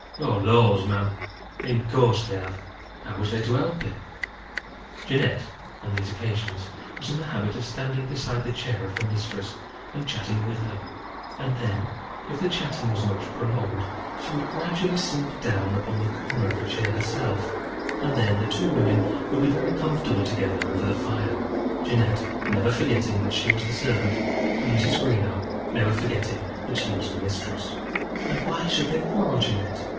"Oh, laws, ma'am, in course they have! How was they to help it?" Jeannette, on these occasions, was in the habit of standing beside the chair of her mistress, and chatting with her; and then, if the chatting was much prolonged, she would gradually sink down upon the corner of a chair herself, and then the two women would be very comfortable together over the fire, Jeannette never forgetting that she was the servant, and Mrs. Greenow never forgetting that she was the mistress. "And why should they quarrel, Jeannette?